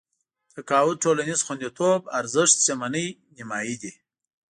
تقاعد ټولنيز خونديتوب ارزښت شتمنۍ نيمايي دي.